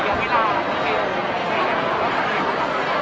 ไม่มีความเทกตรงแล้วก็น่ากัน